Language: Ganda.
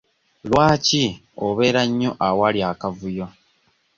Lwaki obeera nnyo awali akavuyo?